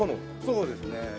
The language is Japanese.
そうですね。